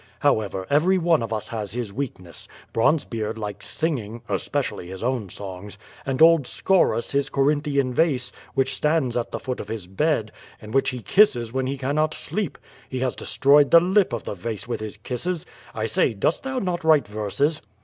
However, every one of us has his weakness. Bronzebeard likes singing — especially his own songs, and old Scaurus his Corinthian vase, which stands at the foot of his bed, and which he kisses when he cannot sleep. He has destroyed the lip of the vase with his kisses. I say, dost thou not write verses?"